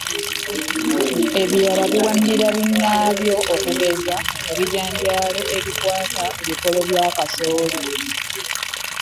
Ebirala biwanirira binnaabyo okugeza, ebijanjaalo ebyekwata ku bikolo bya kasooli.